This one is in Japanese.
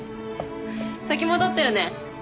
先戻ってるね。